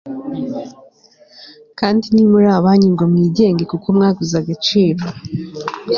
Kandi ntimuri abanyu ngo mwigenge kuko mwaguzwe igiciro